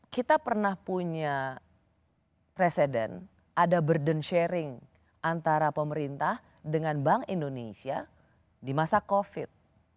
kita pernah punya presiden ada burden sharing antara pemerintah dengan bank indonesia di masa covid